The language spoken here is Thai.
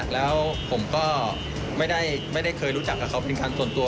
แล้วผมก็ไม่ได้เคยรู้จักกับเขาเป็นครั้งส่วนตัว